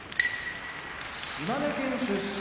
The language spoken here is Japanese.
島根県出身